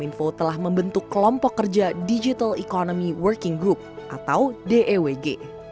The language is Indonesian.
info telah membentuk kelompok kerja digital economy working group atau dewg